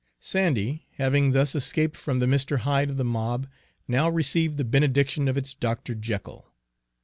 Sandy, having thus escaped from the Mr. Hyde of the mob, now received the benediction of its Dr. Jekyll.